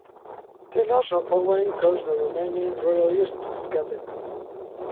The loss of Owen caused the remaining Royalists to scatter.